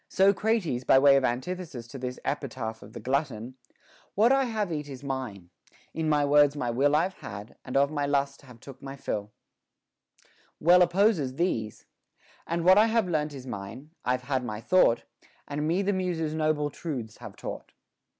So Crates, by way of antithesis to this epitaph of the glutton, What I have eat is mine ; in words my will I've had, and of my lust have took my fill, well opposes these, What I have learnt is mine ; I've had my thought, And me the Muses noble truths have taught.